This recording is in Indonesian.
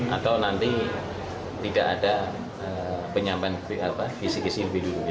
atau nanti tidak ada penyambahan kisih kisih lebih dulu